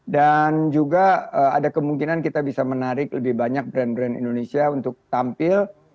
dan juga ada kemungkinan kita bisa menarik lebih banyak brand brand indonesia untuk tampil